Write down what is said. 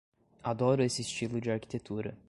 Adoro esse estilo de arquitetura.